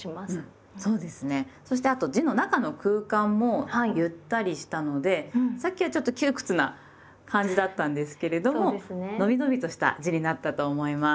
そしてあと字の中の空間もゆったりしたのでさっきはちょっと窮屈な感じだったんですけれどものびのびとした字になったと思います。